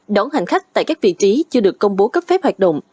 đón hành khách tại các vị trí chưa được công bố cấp phép hoạt động